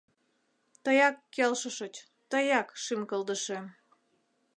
— Тыяк келшышыч, тыяк, шӱм кылдышем.